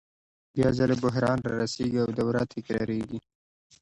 بیا ځلي بحران رارسېږي او دوره تکرارېږي